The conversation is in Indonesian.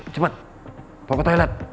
cepet bawa ke toilet